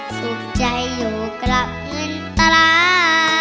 สุขใจอยู่กับเงินตา